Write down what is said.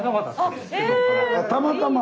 たまたま？